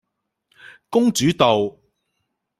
公主道